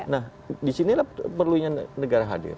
nah disinilah perlunya negara hadir